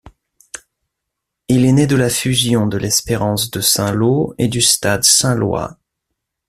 Il est né de la fusion de l'Espérance de Saint-Lô et du Stade Saint-Lois.